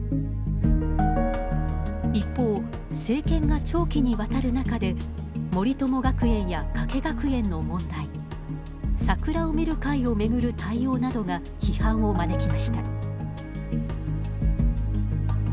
一方、政権が長期にわたる中で森友学園や加計学園の問題桜を見る会を巡る対応などが批判を招きました。